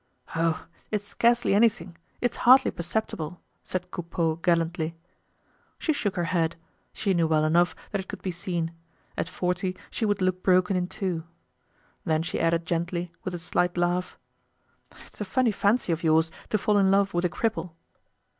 "Oh! it's scarcely anything, it's hardly perceptible," said Coupeau gallantly. She shook her head; she knew well enough that it could be seen; at forty she would look broken in two. Then she added gently, with a slight laugh: "It's a funny fancy of yours to fall in love with a cripple."